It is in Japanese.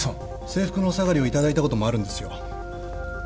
制服のお下がりを頂いたこともあるんですよ。